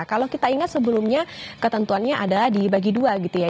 kalau kita ingat sebelumnya ketentuannya adalah dibagi dua gitu ya